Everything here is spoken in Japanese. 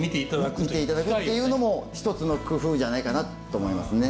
見ていただくっていうのも一つの工夫じゃないかなと思いますね。